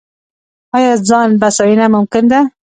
آیا ځان بسیاینه ممکن ده؟